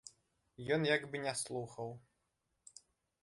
Ён як бы не слухаў.